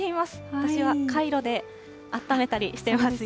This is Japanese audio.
私はかいろであっためたりしていますよ。